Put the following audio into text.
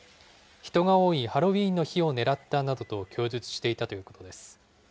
人が多いハロウィーンの日を狙ったなどと供述していたということです。